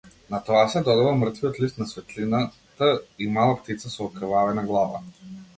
На тоа се додава мртвиот лист на светлината и мала птица со окрвавена глава.